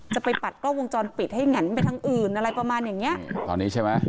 ไปปัดกล้องวงจรปิดให้แง่นไปทางอื่นอะไรประมาณอย่างเนี้ยตอนนี้ใช่ไหม